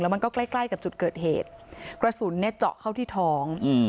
มันก็ใกล้ใกล้กับจุดเกิดเหตุกระสุนเนี่ยเจาะเข้าที่ท้องอืม